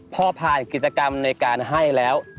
พอผ่านกิจกรรมในการให้แล้ว